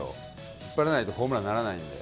引っ張らないとホームランにならないので。